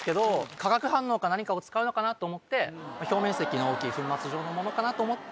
化学反応か何かを使うのかなと思って表面積の大きい粉末状のものかなと思って